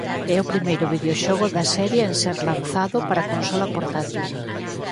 É o primeiro videoxogo da serie en ser lanzado para consola portátil.